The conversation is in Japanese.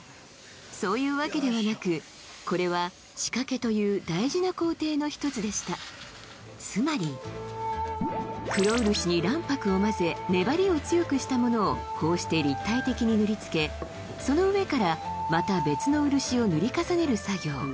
そういうわけではなくこれは「仕掛け」という大事な工程の１つでしたつまり黒漆に卵白を混ぜ粘りを強くしたものをこうして立体的に塗り付けその上からまた別の漆を塗り重ねる作業